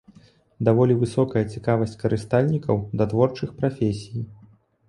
Даволі высокая цікавасць карыстальнікаў да творчых прафесій.